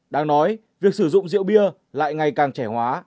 đang nói việc sử dụng rượu bia lại ngày càng trẻ hóa